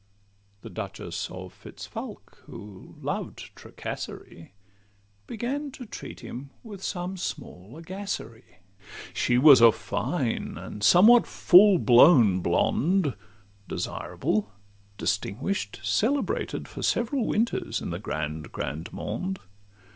The Duchess of Fitz Fulke, who loved 'tracasserie,' Began to treat him with some small 'agacerie.' She was a fine and somewhat full blown blonde, Desirable, distinguish'd, celebrated For several winters in the grand, grand monde.